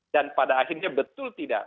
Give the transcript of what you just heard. dan pada akhirnya betul tidak